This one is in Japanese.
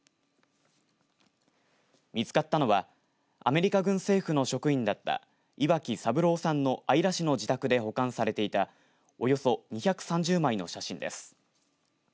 見つかったのはアメリカ軍政府の職員だった岩城三郎さんの姶良市の自宅で保管されていたおよそ２３０枚の写真です。